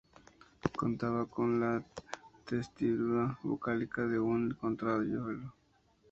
Contaba con la tesitura vocálica de una contralto.